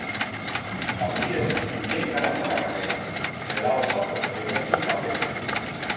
Ista muller tien caraza macarena, me da o fato que no tien papels.